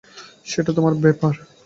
সেটা তোমার ব্যাপার।